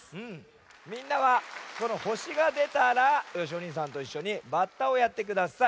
みんなはこのほしがでたらよしおにいさんといっしょにバッタをやってください。